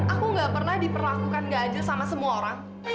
aku gak pernah diperlakukan gak aja sama semua orang